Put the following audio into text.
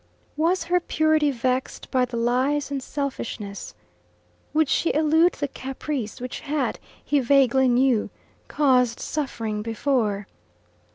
Was her purity vexed by the lies and selfishness? Would she elude the caprice which had, he vaguely knew, caused suffering before?